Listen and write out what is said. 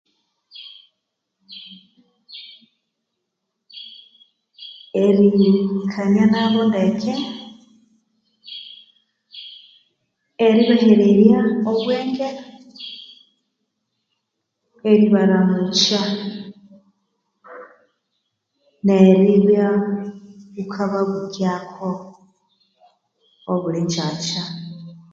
Erikanianabo ndeke erihererania obwenge eribaramucha neribyaghukababuchako obulhinjacha